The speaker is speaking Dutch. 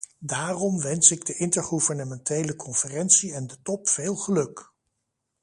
Daarom wens ik de intergouvernementele conferentie en de top veel geluk!